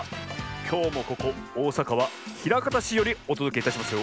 きょうもここおおさかはひらかたしよりおとどけいたしますよ。